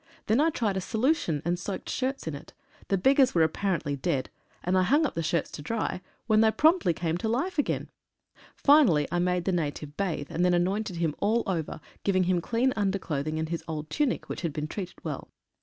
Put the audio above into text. Then I tried a solution, and soaked shirts in it. The beggars were apparently dead, and I hung the shirts up to dry, when they promptly came to life again. Finally I made the native bathe, and then anointed him all over, giving him clean underclothing and his old tunic, which had been treated well.